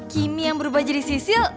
kimi yang berubah jadi sisil